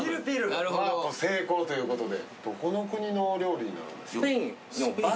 成功ということで。